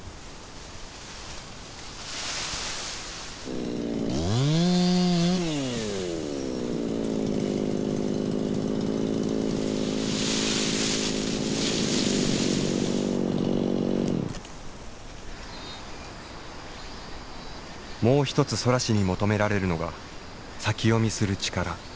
もう一つ空師に求められるのが先読みする力。